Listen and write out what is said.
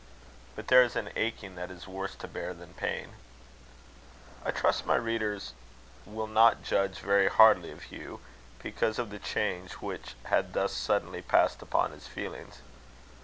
But there is an aching that is worse to bear than pain. I trust my reader will not judge very hardly of Hugh, because of the change which had thus suddenly passed upon his feelings.